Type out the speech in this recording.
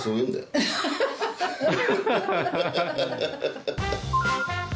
アハハハハ。